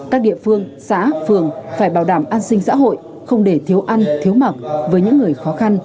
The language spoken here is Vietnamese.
các địa phương xã phường phải bảo đảm an sinh xã hội không để thiếu ăn thiếu mặc với những người khó khăn